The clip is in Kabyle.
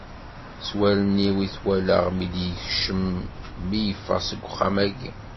S wallen-iw i t-walaɣ mi d-yekcem, mi yeffeɣ seg uxxam-agi.